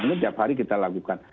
ini tiap hari kita lakukan